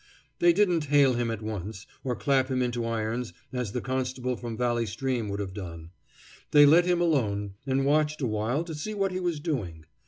They didn't hail him at once, or clap him into irons, as the constable from Valley Stream would have done. They let him alone and watched awhile to see what he was doing.